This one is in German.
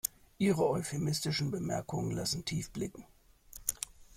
Ihre euphemistischen Bemerkungen lassen tief blicken.